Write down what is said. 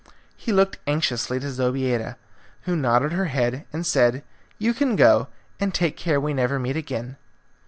He looked anxiously to Zobeida, who nodded her head and said, "You can go; and take care we never meet again."